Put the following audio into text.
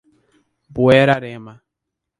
Buerarema